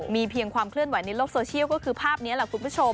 มีเพียงความเคลื่อนไหวในโลกโซเชียลก็คือภาพนี้แหละคุณผู้ชม